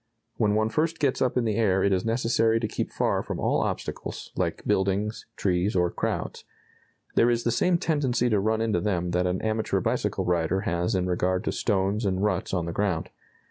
When one first gets up in the air it is necessary to keep far from all obstacles, like buildings, trees, or crowds. There is the same tendency to run into them that an amateur bicycle rider has in regard to stones and ruts on the ground.